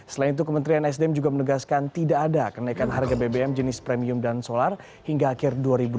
selain itu kementerian sdm juga menegaskan tidak ada kenaikan harga bbm jenis premium dan solar hingga akhir dua ribu dua puluh